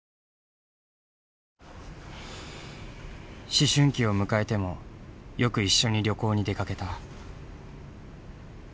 思春期を迎えてもよく一緒に旅行に出かけた。